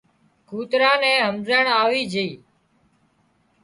ڪوترا نين همزيڻ آوي جھئي